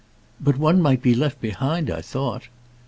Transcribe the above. "But one might be left behind, I thought."